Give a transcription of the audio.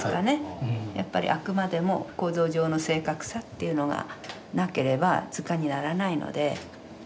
やっぱりあくまでも構造上の正確さというのがなければ図鑑にならないので。